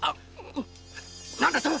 何だと？